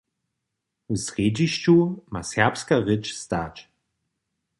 W srjedźišću ma serbska rěč stać.